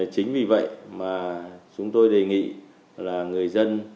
chính vì vậy mà chúng tôi đề nghị là người dân